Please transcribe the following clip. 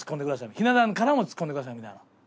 ひな壇からもツッコんでくださいみたいな。